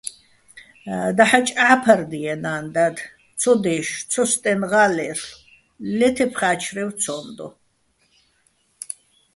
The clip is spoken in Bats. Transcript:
დაჰ̦აჭ ჸა́ფარდიეჼ ნა́ნ-დად, ცო დე́შო̆, ცოსტენღა́ ლე́რლ'ო̆, ლე თე́ფხარ-ა́ჩარვ ცო́მ დო.